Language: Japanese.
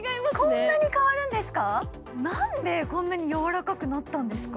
こんなに変わるんですか？